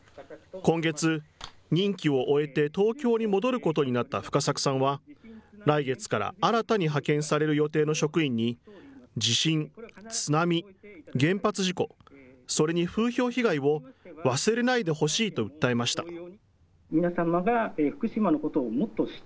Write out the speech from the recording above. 今月、任期を終えて東京に戻ることになった深作さんは来月から新たに派遣される予定の職員に地震、津波、原発事故、それに風評被害を忘れないでほしいと訴えました。